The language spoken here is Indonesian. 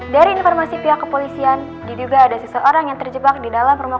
dari informasi pihak kepolisian diduga ada seseorang yang terjebak di dalam rumah